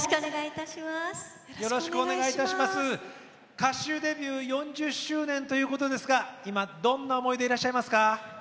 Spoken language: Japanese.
歌手デビュー４０周年ということですが今、どんな思いでいらっしゃいますか？